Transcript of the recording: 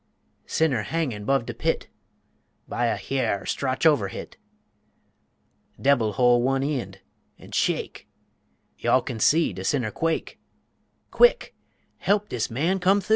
Sinner hangin' 'bove de pit, By a hya'r strotch over hit, Debil hol' one eend an' shake, Y'all kin see de sinner quake, Quick, he'p dis man come thu.